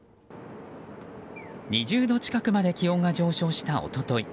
２０度近くまで気温が上昇した一昨日。